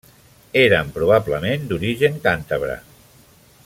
Eren probablement d'origen càntabre.